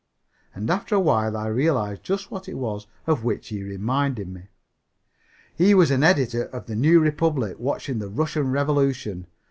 And after a while I realized just what it was of which he reminded me. He was an editor of The New Republic watching the Russian Revolution.